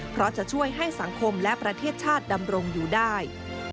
เพราะจะช่วยให้สังคมและประเทศชาติดำรงอยู่ได้